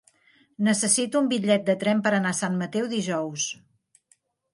Necessito un bitllet de tren per anar a Sant Mateu dijous.